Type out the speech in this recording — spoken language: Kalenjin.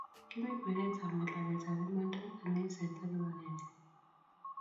Kimi kwenet ab ngalalet ab imanda kaniset ak kipangenge